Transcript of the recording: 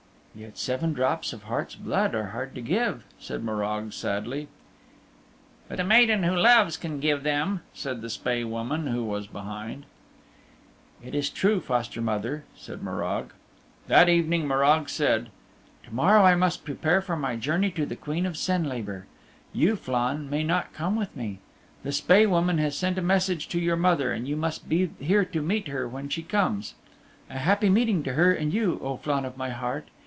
"Yet seven drops of heart's blood are hard to give," said Morag sadly. "But the maiden who loves can give them," said the Spae Woman who was behind. "It is true, foster mother," said Morag. That evening Morag said, "To morrow I must pre pare for my journey to the Queen of Senlabor. You, Flann, may not come with me. The Spae Woman has sent a message to your mother, and you must be here to meet her when she comes. A happy meeting to her and you, O Flann of my heart.